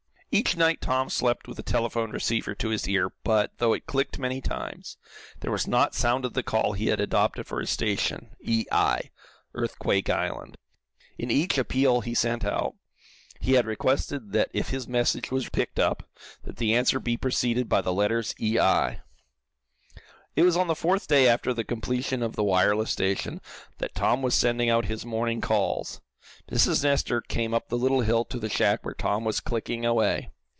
Each night Tom slept with the telephone receiver to his ear, but, though it clicked many times, there was not sounded the call he had adopted for his station "E. I." Earthquake Island. In each appeal he sent out he had requested that if his message was picked up, that the answer be preceded by the letters "E.I." It was on the fourth day after the completion of the wireless station, that Tom was sending out his morning calls. Mrs. Nestor came up the little hill to the shack where Tom was clicking away.